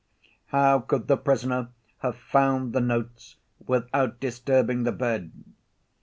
How could the prisoner have found the notes without disturbing the bed?